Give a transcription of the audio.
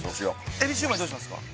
エビシューマイどうしますか？